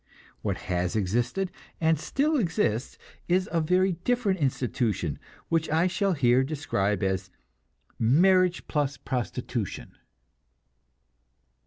What has existed and still exists is a very different institution, which I shall here describe as marriage plus prostitution.